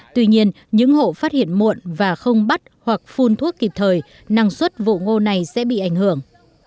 tuy nhiên những hộ phát hiện muộn và không bắt hoặc phun thuốc kịp thời năng suất vụ ngô này sẽ bị ảnh hưởng